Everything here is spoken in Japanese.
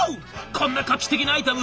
こんな画期的なアイテム